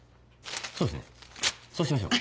そうですねそうしましょう。